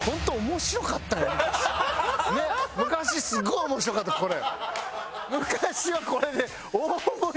昔すごい面白かったこれ。